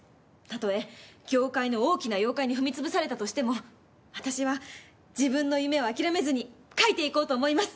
たとえ業界の大きな妖怪に踏み潰されたとしても私は自分の夢を諦めずに書いていこうと思います！